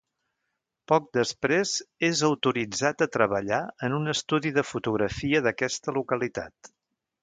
Poc després és autoritzat a treballar en un estudi de fotografia d'aquesta localitat.